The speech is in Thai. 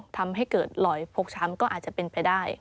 ทำให้เกิดรอยฟกช้ำก็อาจจะเป็นไปได้